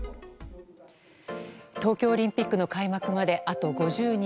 東京オリンピックの開幕まであと５０日。